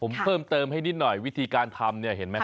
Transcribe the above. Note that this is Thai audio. ผมเพิ่มเติมให้นิดหน่อยวิธีการทำเนี่ยเห็นไหมฮ